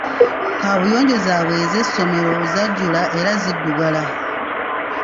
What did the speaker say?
Kaabuyonjo zaabwe ez'essomero zajjula era ziddugala.